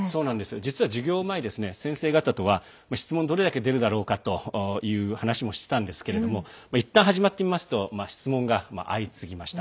実は授業前先生方とは質問がどれだけ出るかなと話をしていたんですがいったん始まってみますと質問が相次ぎました。